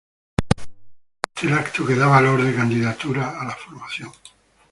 Es este el acto que da valor de candidatura a la formación.